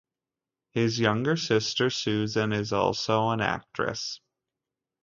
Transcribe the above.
His younger sister Susan is also an actress.